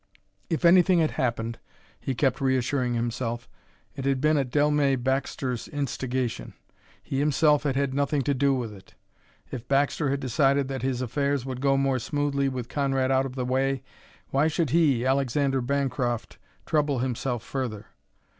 If anything had happened, he kept reassuring himself, it had been at Dellmey Baxter's instigation. He himself had had nothing to do with it. If Baxter had decided that his affairs would go more smoothly with Conrad out of the way, why should he, Alexander Bancroft, trouble himself further?